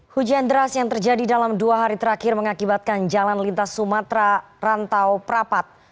hujan deras yang terjadi dalam dua hari terakhir mengakibatkan jalan lintas sumatera rantau perapat